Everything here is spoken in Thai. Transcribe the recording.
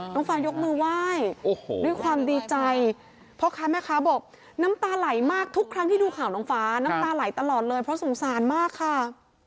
น้องฟ้ายกมือไหว้ด้วยความดีใจพ่อค้าแม่ค้าบอกน้ำตาไหลมากทุกครั้งที่ดูข่าวน้องฟ้าน้ำตาไหลตลอดเลยเพราะสงสารมากค่ะ